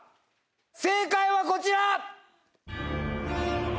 正解はこちら！